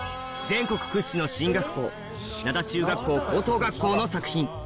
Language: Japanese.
全国屈指の進学校灘中学校・高等学校の作品